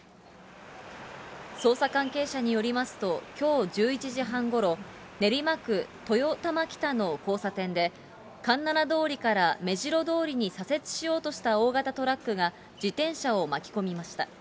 捜査関係者によりますと、きょう１１時半ごろ、練馬区豊玉北の交差点で、環七通りから目白通りに左折しようとした大型トラックが、自転車を巻き込みました。